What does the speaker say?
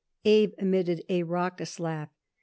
Abe emitted a raucous laugh.